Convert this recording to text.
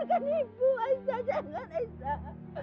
tapi ibu selalu nyakitin aisyah